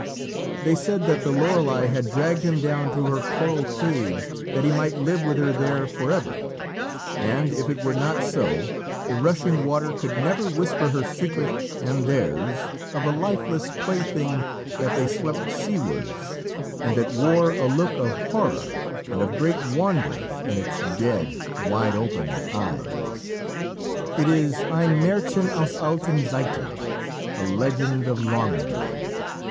They said that the Lorelei had dragged him down to her coral caves that he might live with her there forever, and, if it were not so, the rushing water could never whisper her secret and theirs, of a lifeless plaything that they swept seawards, and that wore a look of horror and of great wonder in its dead, wide open eyes. It is "ein Märchen aus alten Zeiten" a legend of long ago.